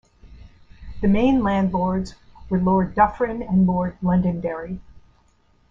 The main landlords were Lord Dufferin and Lord Londonderry.